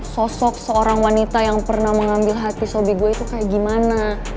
sosok seorang wanita yang pernah mengambil hati suami gue itu kayak gimana